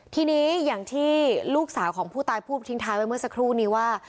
ทีนี้อย่างที่ลูกสาวของผู้ตายพูดทิ้งท้ายไว้เมื่อสักครู่นี้ว่า